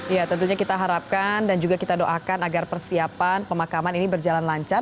ya tentunya kita harapkan dan juga kita doakan agar persiapan pemakaman ini berjalan lancar